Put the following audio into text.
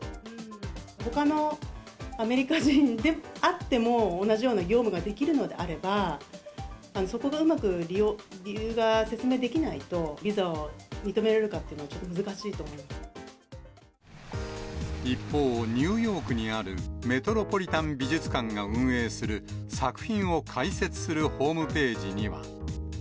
ほかのアメリカ人であっても、同じような業務ができるのであれば、そこがうまく理由が説明できないと、ビザを認められるかというの一方、ニューヨークにあるメトロポリタン美術館が運営する、作品を解説するホームページには。